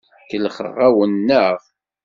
Kellxeɣ-awen, naɣ?